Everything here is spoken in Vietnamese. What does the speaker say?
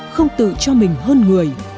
không tự cho mình hơn người